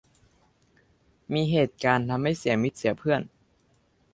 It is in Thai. มีเหตุการณ์ทำให้เสียมิตรเสียเพื่อน